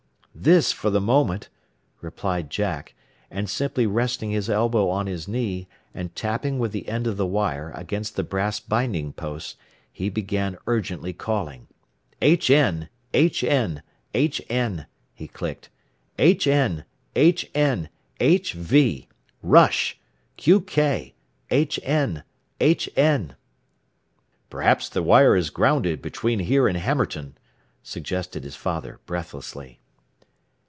"This, for the moment," replied Jack, and simply resting his elbow on his knee, and tapping with the end of the wire against the brass binding post, he began urgently calling. "HN, HN, HN!" he clicked. "HN, HN, HV! Rush! Qk! HN, HN!" "Perhaps the wire is grounded between here and Hammerton," suggested his father breathlessly.